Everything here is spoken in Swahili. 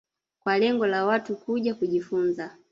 kwa lengo la Watu kuja kujifunza